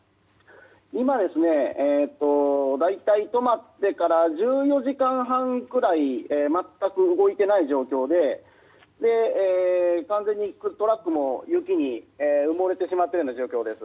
今、大体止まってから１４時間半くらい全く動いていない状況で完全にトラックも雪に埋もれてしまっているような状況です。